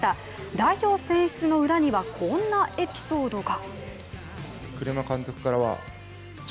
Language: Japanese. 代表選出の裏には、こんなエピソードが。